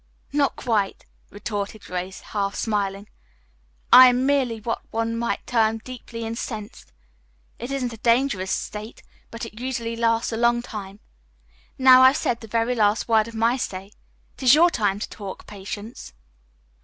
"Not quite," retorted Grace, half smiling. "I am merely what one might term 'deeply incensed.' It isn't a dangerous state, but it usually lasts a long time. Now, I've said the very last word of my say. It is your time to talk, Patience."